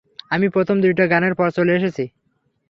আমি প্রথম দুইটা গানের পর চলে এসেছি।